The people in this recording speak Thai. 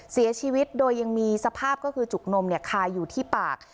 เสียชีวิตโดยยังมีสภาพก็คือจุกนมคายอยู่ที่ปาก